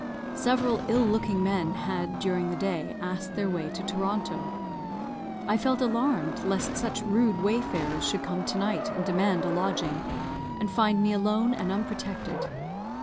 Several ill looking men had, during the day, asked their way to Toronto. I felt alarmed, lest such rude wayfarers should come to night and demand a lodging, and find me alone and unprotected.